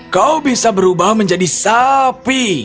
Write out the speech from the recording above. kau bisa berubah menjadi sapi